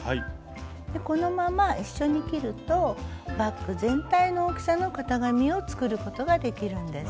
このまま一緒に切るとバッグ全体の大きさの型紙を作ることができるんです。